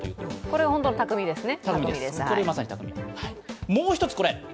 これはホントの匠ですね。